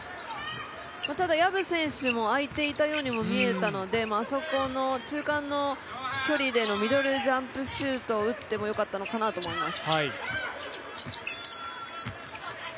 ただ薮選手も空いていたようにも見えたのであそこの中間の距離でのミドルジャンプシュートを打ってもよかったのかなと思います。